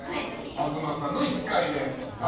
東さんの１回目。